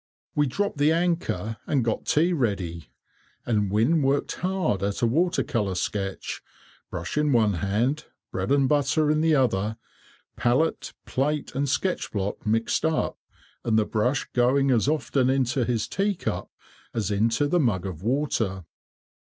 We dropped the anchor, and got tea ready, and Wynne worked hard at a water colour sketch, brush in one hand, bread and butter in the other, palate, plate, and sketch block mixed up, and the brush going as often into his teacup as into the mug of water.